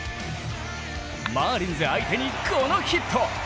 マーリンズ相手にこのヒット。